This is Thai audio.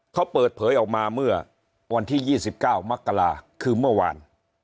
เขาเปิดเผยออกมาเมื่อวันที่๒๙มกราคือเมื่อวาน